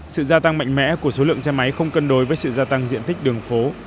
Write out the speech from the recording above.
sự gia tăng mạnh mẽ của số lượng xe máy không cân đối với sự gia tăng diện tích đường phố